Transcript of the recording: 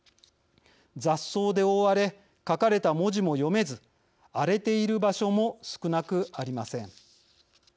雑草で覆われ書かれた文字も読めず荒れている場所も少なくありません。